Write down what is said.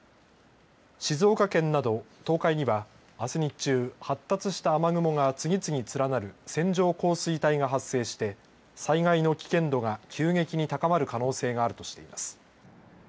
静岡県など東海にはあす日中、発達した雨雲が連なる線状降水帯が発生して、災害の危険度が急激に高まる可能性があるとしています。